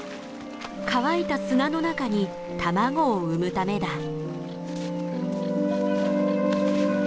乾いた砂の中に卵を産むためだ。